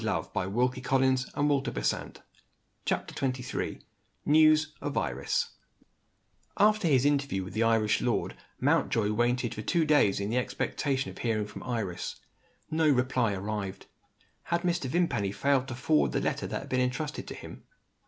THE END OF THE SECOND PERIOD THIRD PERIOD CHAPTER XXIII NEWS OF IRIS AFTER his interview with the Irish lord, Mountjoy waited for two days, in the expectation of hearing from Iris. No reply arrived. Had Mr. Vimpany failed to forward the letter that had been entrusted to him?